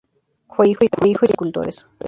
Fue hijo y hermano de escultores.